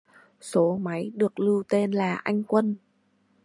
Số máy được lưu tên là anh quân